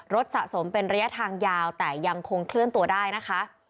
สะสมเป็นระยะทางยาวแต่ยังคงเคลื่อนตัวได้นะคะ